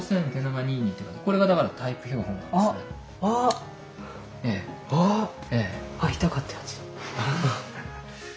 これがだからタイプ標本です。